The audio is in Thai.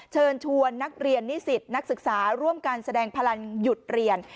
เชิญชวนนักเรียนนิสิตนักศึกษาร่วมการแสดงพลังหยุดเรียน